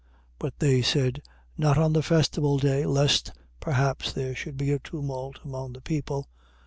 26:5. But they said: Not on the festival day, lest perhaps there should be a tumult among the people.